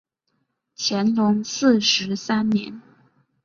乾隆四十三年。